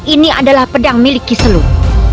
ini adalah pedang milik kiseluruh